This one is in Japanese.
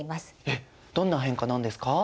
えっどんな変化なんですか？